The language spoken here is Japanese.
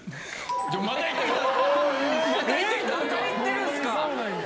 また行ってるんすか。